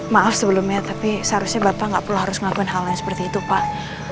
maaf sebelumnya tapi seharusnya bapak nggak perlu harus ngakuin hal yang seperti itu pak